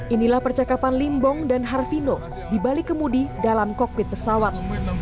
inilah percakapan limbong dan harvino di balik kemudi dalam kokpit pesawat